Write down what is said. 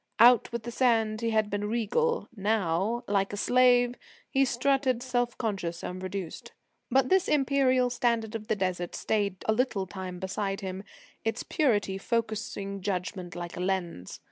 Out with the sand he had been regal; now, like a slave, he strutted self conscious and reduced. But this imperial standard of the Desert stayed a little time beside him, its purity focussing judgment like a lens.